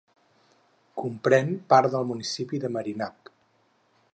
Comprèn part del municipi de Merinhac.